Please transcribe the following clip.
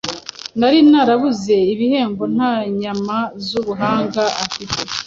nari narabuze ibihembo nta nyama zubuhanga afite